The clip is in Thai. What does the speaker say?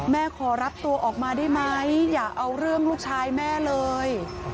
ขอรับตัวออกมาได้ไหมอย่าเอาเรื่องลูกชายแม่เลย